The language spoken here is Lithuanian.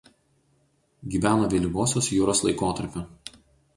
Gyveno vėlyvosios juros laikotarpiu.